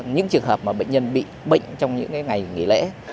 những trường hợp mà bệnh nhân bị bệnh trong những ngày nghỉ lễ